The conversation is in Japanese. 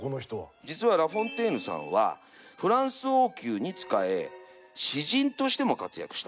実はラ・フォンテーヌさんはフランス王宮に仕え詩人としても活躍した。